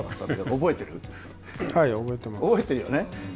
覚えてるよね。